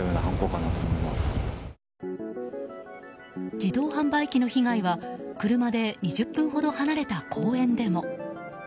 自動販売機の被害は車で２０分ほど離れた公園でも。